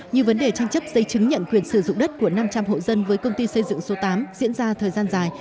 như vấn đề tranh chấp dây chứng nhận quyền sử dụng đất của năm trăm linh hộ dân với công ty xây dựng số tám diễn ra thời gian dài